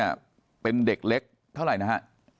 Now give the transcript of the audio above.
เท่ากับว่า๓๒เป็นเด็กเล็กเท่าไรนะฮะ